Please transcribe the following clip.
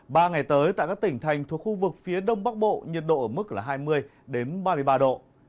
ba ngày tới tại các tỉnh thành thuộc khu vực phía đông bắc bộ nhiệt độ ở mức là hai mươi ba mươi ba độ